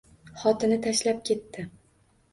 Xotini tashlab ketdi.